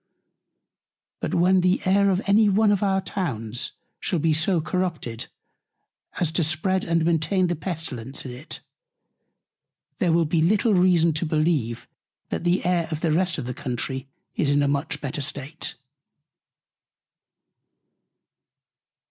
But when the Air of any one of our Towns shall be so corrupted, as to spread and maintain the Pestilence in it, there will be little reason to believe, that the Air of the rest of the Country is in a much better State.